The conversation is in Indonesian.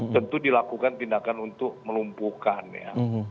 tentu dilakukan tindakan untuk melumpuhkan ya